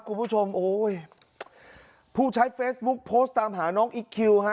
คุณผู้ชมโอ้ยผู้ใช้เฟซบุ๊คโพสต์ตามหาน้องอิ๊กคิวฮะ